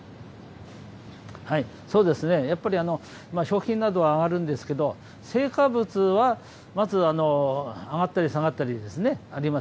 そうですね、やっぱり食品などは上がるんですけども、青果物は、まず上がったり下がったりですね、あります。